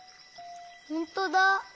ほんとだ！